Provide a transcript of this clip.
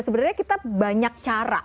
sebenarnya kita banyak cara